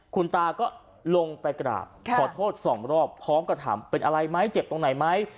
คุณตาก็ลงไปกราบขอโทษสองรอบพร้อมกับถามเป็นอะไรไหมเจ็บตรงไหนไหม